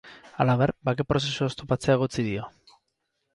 Halaber, bake prozesua oztopatzea egotzi dio.